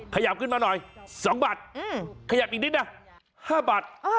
ขยับขึ้นมาหน่อย๒บาทขยับอีกนิดนะ๕บาท